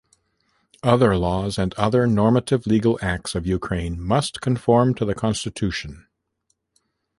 Other laws and other normative legal acts of Ukraine must conform to the constitution.